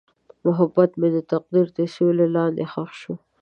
محبت مې د تقدیر تر سیوري لاندې ښخ شو.